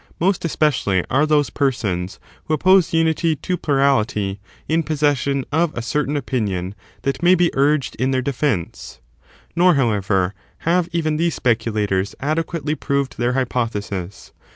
meet especially are those persons who oppose unity to plu rality in possession of a certain opinion that may be ui^ged in their defence ; nor, however, have even these speculators adequately proved their hypothesis.